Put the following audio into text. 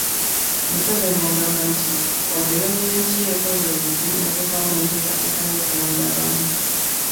Museveni agamba nti wadde gavumenti ye ekoze buli kimu n'eteekawo enteekateeka okuyamba abantu